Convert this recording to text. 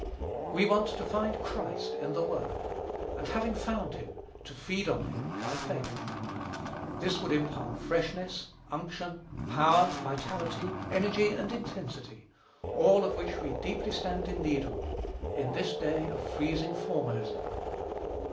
We want to find Christ in the Word; and, having found him, to feed on him by faith. This would impart freshness, unction, power, vitality, energy, and intensity, all of which we deeply stand in need of, in this day of freezing formalism.